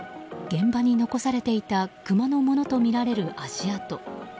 現場に残されていたクマのものとみられる足跡。